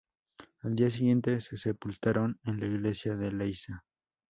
Al día siguiente se sepultaron en la iglesia de Leiza.